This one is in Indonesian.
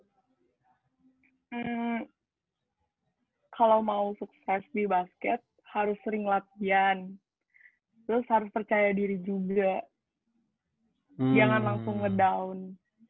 kalau mau sukses di basket harus sering latihan terus harus percaya diri juga jangan langsung nge down